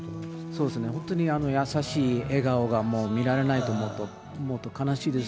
そうですね、本当に優しい笑顔がもう見られないと思うと悲しいです。